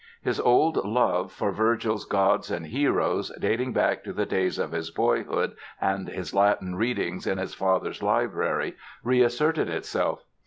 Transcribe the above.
His old love for Virgil's gods and heroes, dating back to the days of his boyhood and his Latin readings in his father's library, reasserted itself.